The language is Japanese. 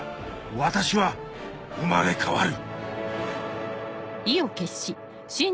私は生まれ変わる！